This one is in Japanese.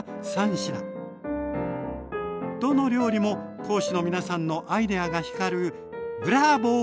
どの料理も講師の皆さんのアイデアが光るブラボー！